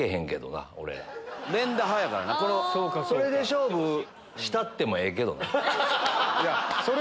それで勝負したってもええけどな。